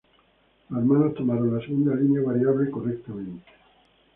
Los hermanos tomaron la segunda línea variable correctamente.